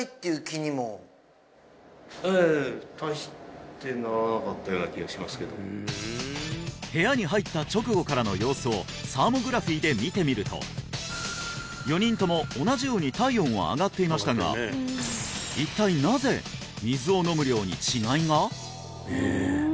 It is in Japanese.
ええような気がしますけど部屋に入った直後からの様子をサーモグラフィーで見てみると４人とも同じように体温は上がっていましたが一体なぜ水を飲む量に違いが？